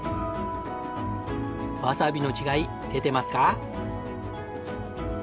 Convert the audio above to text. わさびの違い出てますか？